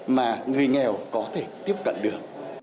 mà người nghèo có thể tiếp cận được